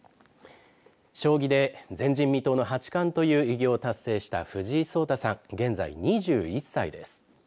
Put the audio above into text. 将棋で前人未到の八冠という偉業を達成した藤井聡太さん、現在２１歳です。